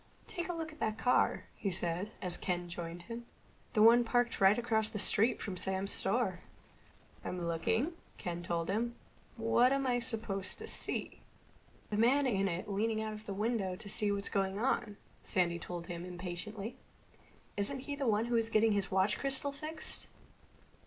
"Take a look at that car," he said, as Ken joined him. "The one parked right across the street from Sam's store." "I'm looking," Ken told him. "What am I supposed to see?" "The man in it leaning out of the window to see what's going on," Sandy told him impatiently. "Isn't he the one who was getting his watch crystal fixed?"